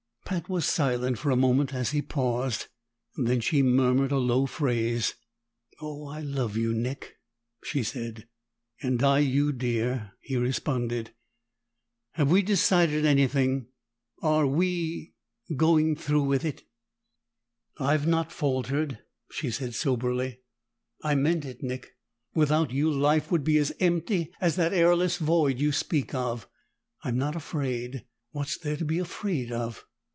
Pat was silent for a moment as he paused, then she murmured a low phrase. "Oh, I love you, Nick!" she said. "And I you, dear," he responded. "Have we decided anything? Are we going through with it?" "I've not faltered," she said soberly. "I meant it, Nick. Without you, life would be as empty as that airless void you speak of. I'm not afraid. What's there to be afraid of?"